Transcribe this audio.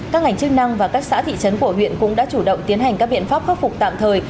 các ngành chức năng và các xã thị trấn của huyện cũng đã chủ động tiến hành các biện pháp khắc phục tạm thời